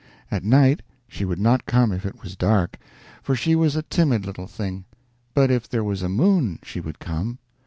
At night she would not come if it was dark, for she was a timid little thing; but if there was a moon she would come.